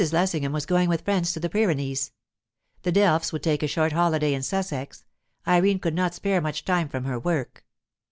Lessingham was going with friends to the Pyrenees. The Delphs would take a short holiday in Sussex; Irene could not spare much time from her work.